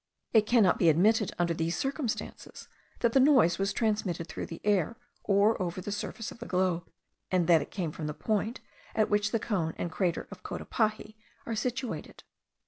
It cannot be admitted, under these circumstances, that the noise was transmitted through the air, or over the surface of the globe, and that it came from the point at which the cone and crater of Cotapaxi are situated.